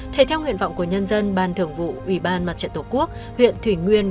thể theo nguyện vọng của nhân dân ban thường vụ ủy ban mặt trận tổ quốc huyện thủy nguyên